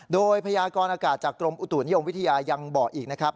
โดยพยากรอากาศจากกรมอุตุนิยมวิทยายังบอกอีกนะครับ